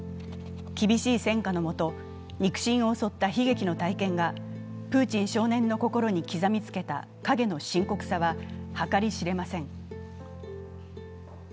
厳しい戦火のもと、肉親を襲った悲劇の体験がプーチン少年の心に刻みつけた影の深刻さは計り知れません。